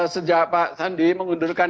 sejak pak sandi mengundurkan